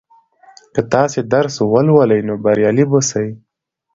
که تاسې درس ولولئ نو بریالي به سئ.